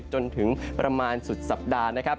จนถึงประมาณสุดสัปดาห์นะครับ